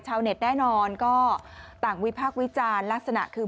เน็ตแน่นอนก็ต่างวิพากษ์วิจารณ์ลักษณะคือ